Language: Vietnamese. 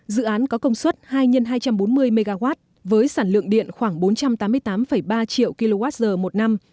dự án có công suất hai x hai trăm bốn mươi mw với sản lượng điện khoảng bốn trăm tám mươi tám ba triệu kwh một năm